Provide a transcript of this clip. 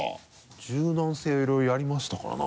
柔軟性いろいろやりましたからな。